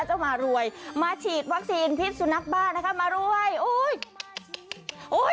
มารวยมาฉีดวัคซีนพิษสุนัขบ้านะคะมารวยโอ้ยโอ้ย